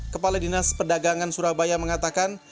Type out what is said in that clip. kepala dinas perdagangan surabaya mengatakan